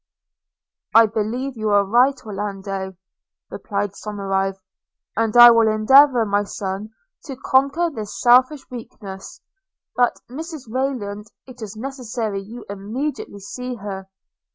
'I believe you are right, Orlando,' replied Somerive; 'and I will endeavour, my son, to conquer this selfish weakness. – But Mrs Rayland, it is necessary you immediately see her.'